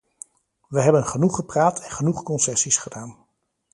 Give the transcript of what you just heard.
We hebben genoeg gepraat en genoeg concessies gedaan.